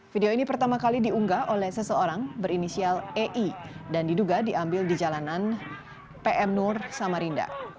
video ini pertama kali diunggah oleh seseorang berinisial ei dan diduga diambil di jalanan pm nur samarinda